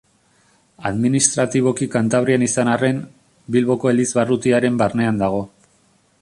Administratiboki Kantabrian izan arren, Bilboko elizbarrutiaren barnean dago.